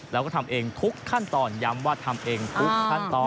แล้วก็ทำเองทุกขั้นตอนย้ำว่าทำเองทุกขั้นตอน